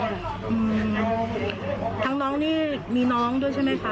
อืมทั้งน้องนี่มีน้องด้วยใช่ไหมคะ